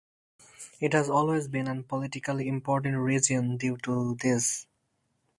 It has always been an politically important region due to this.